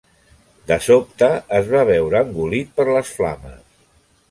De sobte es va veure engolit per les flames.